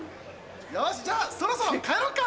よしじゃあそろそろ帰ろっか。